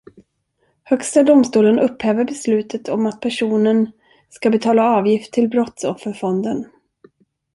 Högsta domstolen upphäver beslutet om att personen ska betala avgift till brottsofferfonden.